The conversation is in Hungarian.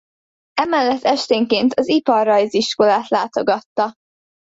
Emellett esténként az iparrajziskolát látogatta.